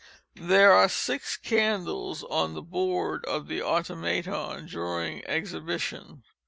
There are six candles on the board of the Automaton during exhibition.